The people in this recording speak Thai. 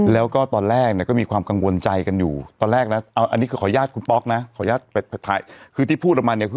แล้วก็ตอนแรกก็มีความกังวลใจกันอยู่อันนี้ขออนุญาตที่ที่พูดคุณป๊อกเนี่ย